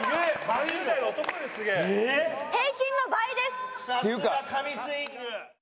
さすが神スイング。